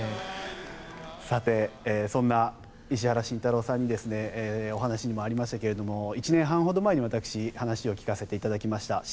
そんな石原慎太郎さんのお話にもありましたが１年半ほど前にお話を聞かせていただきました。